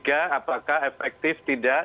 apakah efektif tidak